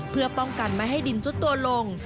เพื่อป้องกันไม่ให้ดินซุดตัวลง